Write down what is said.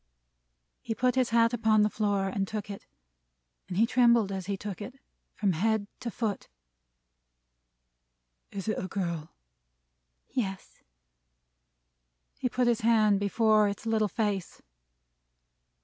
He put his hat upon the floor, and took it. And he trembled as he took it, from head to foot. "Is it a girl?" "Yes." He put his hand before its little face.